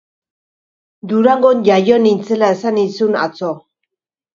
Durangon jaio nintzela esan nizun atzo